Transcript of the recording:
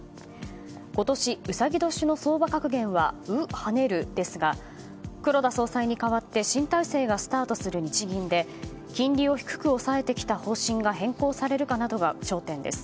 今年、うさぎ年の相場格言は「卯跳ねる」ですが黒田総裁に代わって新体制がスタートする日銀で金利を低く抑えてきた方針が変更されるかなどが焦点です。